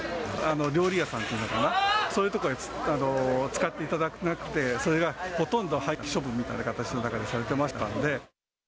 料理屋さんっていうのかな、そういう所へ使っていただけなくて、それがほとんど廃棄処分みたいな形にされてましたので。